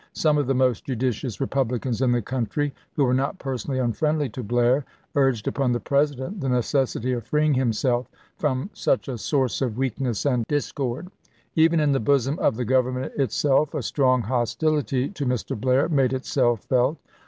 Some of the most judicious Eepub licans in the country, who were not personally unfriendly to Blair, urged upon the President the necessity of freeing himself from such a source of weakness and discord. Even in the bosom of the Government itself a strong hostility to Mr. Blair made itself felt.